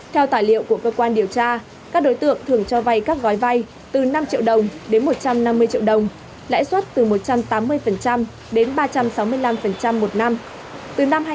theo tài liệu của cơ quan điều tra các đối tượng thường cho vay các gói vay từ năm triệu đồng đến một trăm năm mươi triệu đồng lãi suất từ một trăm tám mươi đến ba trăm sáu mươi năm một năm